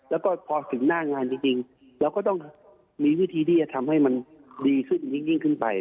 แล้วก็พอถึงหน้างานจริงเราก็ต้องมีวิธีที่จะทำให้มันดีขึ้นยิ่งขึ้นไป